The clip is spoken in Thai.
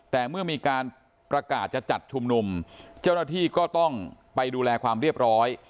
แต่เมื่อมีการประกาศจะจัดชุมนุมเจ้าหน้าที่ก็ต้องไปดูแลความเรียบร้อย